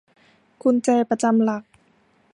กุญแจประจำหลัก